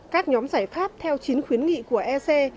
các nhóm giải pháp theo chính khuyến nghị của ece